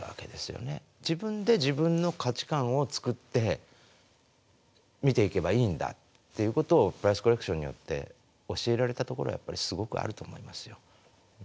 自分で自分の価値観を作って見ていけばいいんだという事をプライスコレクションによって教えられたところはすごくあると思いますよ。